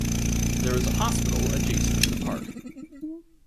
There is a hotel adjacent to the park.